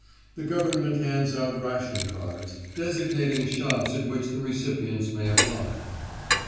The Government hands out ration cards, designating shops at which the recipients may apply.